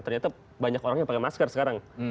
ternyata banyak orang yang pakai masker sekarang